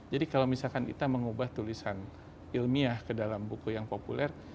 jadi kalau misalkan kita mengubah tulisan ilmiah ke dalam buku yang populer